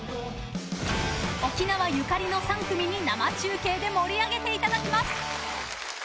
沖縄ゆかりの３組に生中継で盛り上げていただきます。